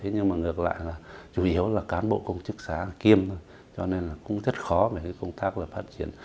nhưng ngược lại chủ yếu là cán bộ công chức xã kiềm cho nên cũng rất khó về công tác phát triển